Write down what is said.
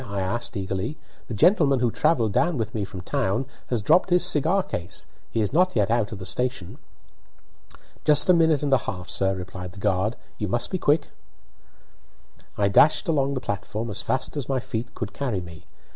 I asked, eagerly. "The gentleman who travelled down with me from town has dropped his cigar case; he is not yet out of the station." "Just a minute and a half, sir," replied the guard. "You must be quick." I dashed along the platform as fast as my feet could carry me.